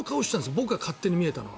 僕が勝手に見えたのは。